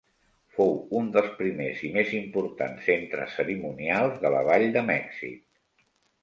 Fou un dels primers i més importants centres cerimonials de la Vall de Mèxic.